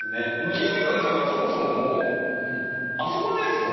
きんに君さんがそもそも遊ばないっすもんね。